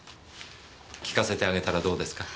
聞かせてあげたらどうですか。